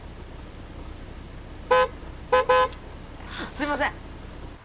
すいません。